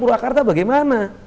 di purwakarta bagaimana